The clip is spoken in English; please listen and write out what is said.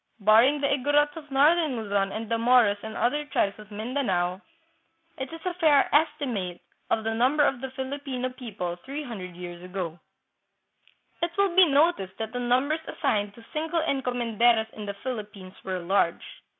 Barring the Igorots of northern Luzon and the Moros and other tribes of Mindanao, it is a fair estimate of the number of the Filipino people three hun dred years ago. It will be noticed that the numbers assigned to single encomenderos in the Philippines were large.